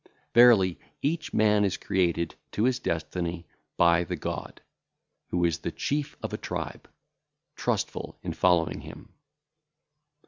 Verily, each man is created [to his destiny] by the God, Who is the chief of a tribe, trustful in following him.